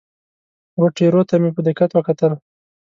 وه ټیرو ته مې په دقت وکتل.